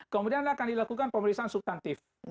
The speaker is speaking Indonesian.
kemudian akan dilakukan pemeriksaan subtantif